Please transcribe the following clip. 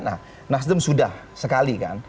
nah nasdem sudah sekali kan